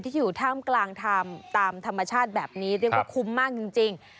ที่อยู่ท่ามกลางทำตามธรรมชาติแบบนี้เรียกว่าคุ้มมากจริง